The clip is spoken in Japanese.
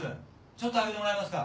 ちょっと開けてもらえますか？